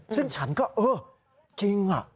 ซึ่งฉันก็จะรู้สึกถึง